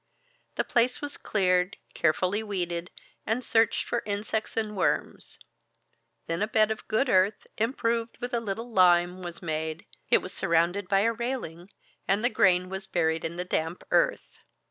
The place was cleared, carefully weeded, and searched for insects and worms; then a bed of good earth, improved with a little lime, was made; it was surrounded by a railing; and the grain was buried in the damp earth.